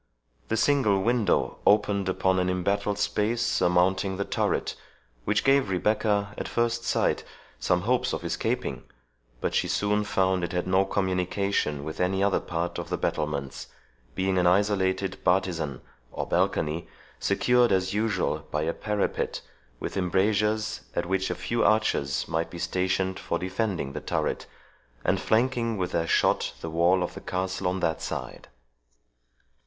The single window opened upon an embattled space surmounting the turret, which gave Rebecca, at first sight, some hopes of escaping; but she soon found it had no communication with any other part of the battlements, being an isolated bartisan, or balcony, secured, as usual, by a parapet, with embrasures, at which a few archers might be stationed for defending the turret, and flanking with their shot the wall of the castle on that side.